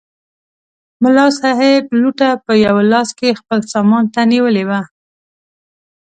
ملا صاحب لوټه په یوه لاس کې خپل سامان ته نیولې وه.